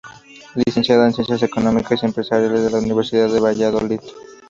Licenciada en Ciencias Económicas y Empresariales por la Universidad de Valladolid.